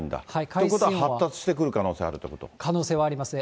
ということは、発達してくる可能可能性はありますね。